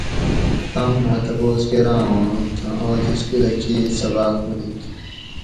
تام ما تپوس کراۤ اُوں تھۤہ آج سکولہ کیں سباۤق منیت